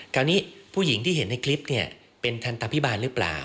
คราวนี้ผู้หญิงที่เห็นในคลิปเนี่ยเป็นทันตภิบาลหรือเปล่า